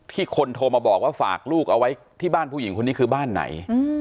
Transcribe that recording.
คนโทรมาบอกว่าฝากลูกเอาไว้ที่บ้านผู้หญิงคนนี้คือบ้านไหน